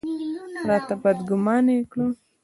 راته بدګومانه یې کړ.